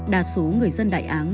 đa số người dân đại áng